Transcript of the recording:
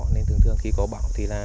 nên thường thường khi có bão thì là